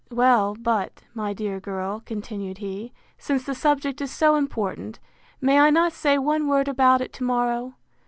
Well, but, my dear girl, continued he, since the subject is so important, may I not say one word about to morrow?